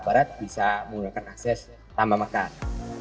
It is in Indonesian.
barat barat bisa menggunakan akses tambah makanan